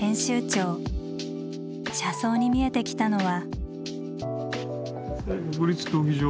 車窓に見えてきたのは。